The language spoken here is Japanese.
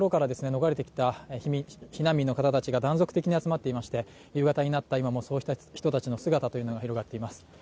逃れてきた避難民の方たちが断続的に集まっていまして、夕方になった今もそうした人たちの姿というのが広がっています。